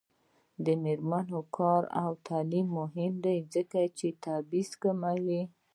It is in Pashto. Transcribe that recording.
د میرمنو کار او تعلیم مهم دی ځکه چې تبعیض کموي.